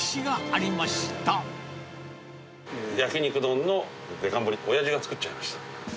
やきにく丼のデカ盛り、おやじが作っちゃいました。